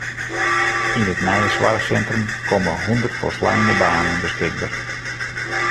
Yn it nije soarchsintrum komme hûndert folsleine banen beskikber.